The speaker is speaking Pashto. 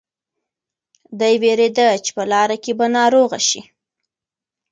دی وېرېده چې په لاره کې به ناروغه شي.